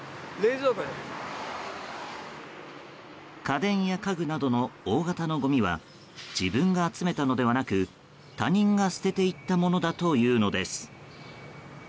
家電や家具などの大型のごみは自分が集めたのではなく他人が捨てていったものだというのです。